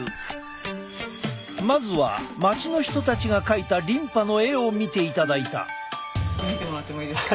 まずは街の人たちが描いたリンパの絵を見ていただいた。